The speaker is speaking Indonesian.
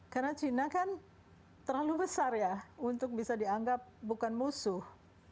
karena china kan terlalu besar ya untuk bisa dianggap bukan musuh